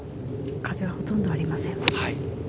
風はほとんどありません。